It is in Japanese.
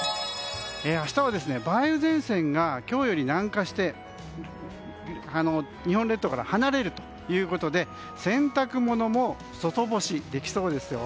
明日は梅雨前線が今日より南下して日本列島から離れるということで洗濯物も外干しできそうですよ。